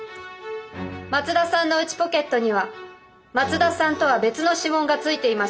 松田さんの内ポケットには松田さんとは別の指紋がついていました。